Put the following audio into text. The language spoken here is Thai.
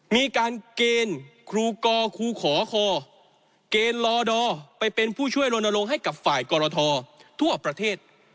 มีการเกณฑ์ครูกครูขอคอเกณฑ์ลอดอไปเป็นผู้ช่วยลนลงให้กับฝ่ายกรททั่วประเทศ